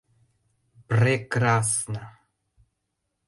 Пр-рекрасно!